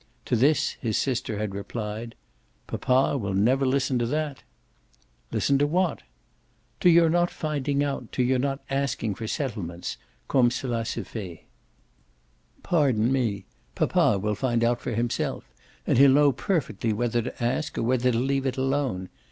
To this his sister had replied: "Papa will never listen to that." "Listen to what?" "To your not finding out, to your not asking for settlements comme cela se fait." "Pardon me, papa will find out for himself; and he'll know perfectly whether to ask or whether to leave it alone.